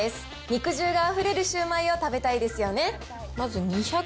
肉汁があふれるシュウマイを食べたいですよね。